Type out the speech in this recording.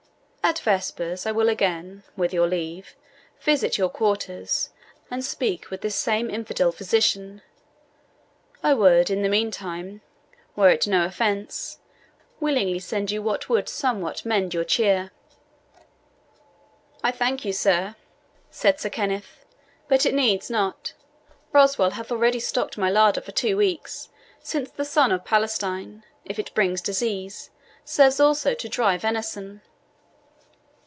At vespers I will again, with your leave, visit your quarters, and speak with this same infidel physician. I would, in the meantime, were it no offence, willingly send you what would somewhat mend your cheer." "I thank you, sir," said Sir Kenneth, "but it needs not. Roswal hath already stocked my larder for two weeks, since the sun of Palestine, if it brings diseases, serves also to dry venison."